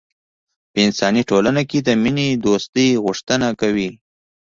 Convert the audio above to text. په انساني ټولنه کې د مینې دوستۍ غوښتنه کوي.